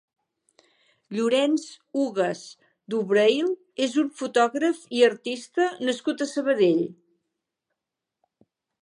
Llorenç Ugas Dubreuil és un fotògraf i artista nascut a Sabadell.